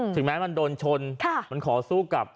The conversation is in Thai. ถึงแม้มันโดนชนมันขอสู้กับ